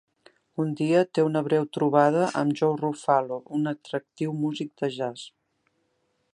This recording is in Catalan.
Un dia, té una breu trobada amb Joe Ruffalo, un atractiu músic de jazz.